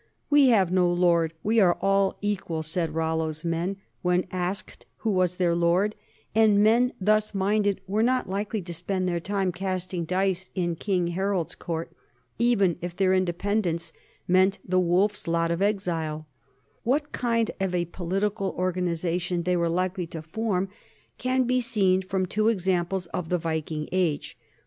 "We have no lord, we are all equal," said Rollo's men when 1 Corpus Poeticum Boreale, I, p. 373. J Ibid., n, p. 345. THE COMING OF THE NORTHMEN 43 asked who was their lord ; and men thus minded were not likely to spend their time casting dice in King Harold's court, even if their independence meant the wolf's lot of exile. What kind of a political organization they were likely to form can be seen from two examples of the Viking age.